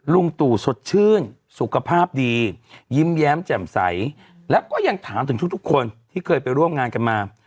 ลุงตู่สดชื่นสุขภาพดียิ้มแย้มแจ่มใสแล้วก็ยังถามถึงทุกคนที่เคยไปร่วมงานกันมา